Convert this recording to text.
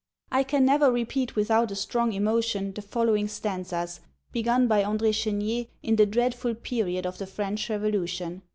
I can never repeat without a strong emotion the following stanzas, begun by André Chenier, in the dreadful period of the French revolution.